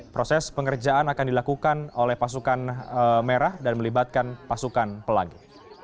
proses pengerjaan akan dilakukan oleh pasukan merah dan melibatkan pasukan pelangi